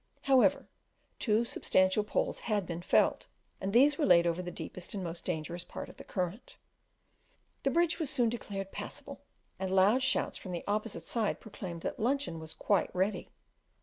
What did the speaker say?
However, two substantial poles had been felled, and these were laid over the deepest and most dangerous part of the current. The bridge was soon declared passable, and loud shouts from the opposite side proclaimed that luncheon was quite ready.